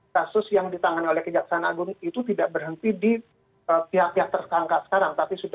kasus yang ditangani oleh kejaksaan agung itu tidak berhenti di pihak pihak tersangka sekarang tapi sudah